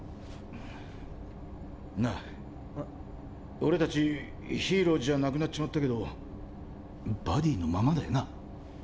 俺たちヒーローじゃなくなっちまったけどバディのままだよな？